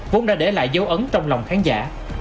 vốn đã để lại dấu ấn trong lòng khán giả